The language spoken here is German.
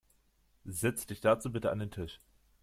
Setzt dich dazu bitte an den Tisch.